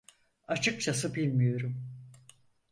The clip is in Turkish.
Açıkçası bilmiyorum.